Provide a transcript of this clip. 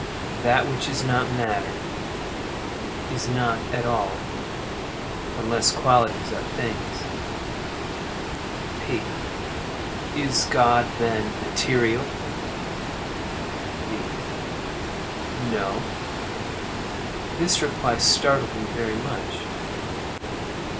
That which is not matter, is not at all—unless qualities are things. P. Is God, then, material? V. No. [_This reply startled me very much.